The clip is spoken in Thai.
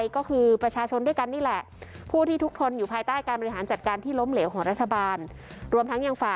ก็คือประชาชนด้วยกันนี่แหละ